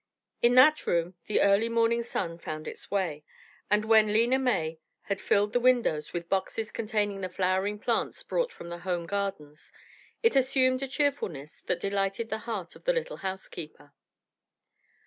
In that room the early morning sun found its way, and when Lena May had filled the windows with boxes containing the flowering plants brought from the home gardens, it assumed a cheerfulness that delighted the heart of the little housekeeper.